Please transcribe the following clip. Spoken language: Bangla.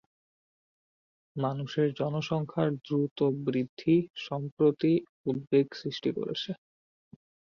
মানুষের জনসংখ্যার দ্রুত বৃদ্ধি সম্প্রতি উদ্বেগ সৃষ্টি করেছে।